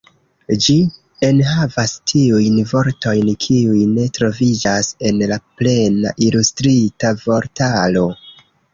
Ĝi enhavas tiujn vortojn kiuj ne troviĝas en la "Plena Ilustrita Vortaro".